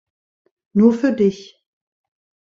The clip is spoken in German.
Nur für dich!